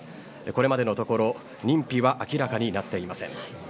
これまでのところ認否は明らかになっていません。